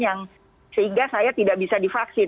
yang sehingga saya tidak bisa divaksin